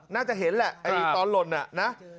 น่าจะเห็นแหละตอนหล่นน่ะนะ